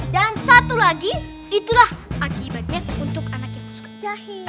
satu lagi itulah akibatnya untuk anak yang suka jahit